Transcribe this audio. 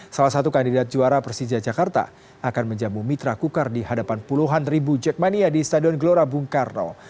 salah satu kandidat juara persija jakarta akan menjamu mitra kukar di hadapan puluhan ribu jakmania di stadion gelora bung karno